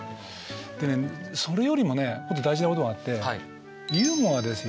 でねそれよりもねもっと大事なことがあってユーモアですよね。